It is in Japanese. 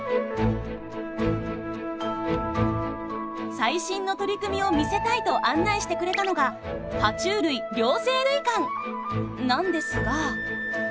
最新の取り組みを見せたいと案内してくれたのがなんですが。